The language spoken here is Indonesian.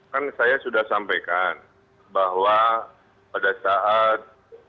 kan saya sudah sampaikan bahwa pada saat